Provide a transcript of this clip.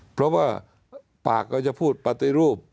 เพราะว่าปากก็จะพูดปฏิรูป